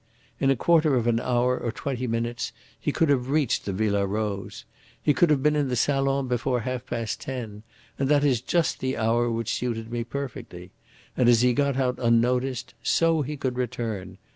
In a quarter of an hour or twenty minutes he could have reached the Villa Rose. He could have been in the salon before half past ten, and that is just the hour which suited me perfectly. And, as he got out unnoticed, so he could return.